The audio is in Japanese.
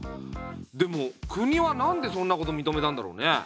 でも国は何でそんなこと認めたんだろうね？